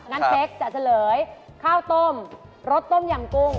งั้นเพบจะเสริญข้าวต้มรสต้มยำกุ้ง